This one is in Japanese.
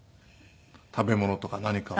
食べ物とか何かを。